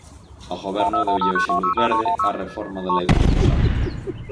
O Goberno deulle hoxe luz verde á reforma da lei concursal.